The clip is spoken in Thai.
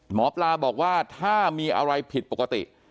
หมอปลาบอกว่าถ้ามีอะไรผิดปกติ